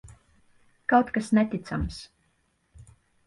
Kaut kas neticams.